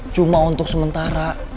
cuma untuk sementara